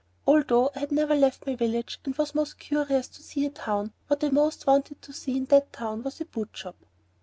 Although I had never left my village and was most curious to see a town, what I most wanted to see in that town was a boot shop.